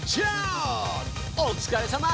おつかれさま！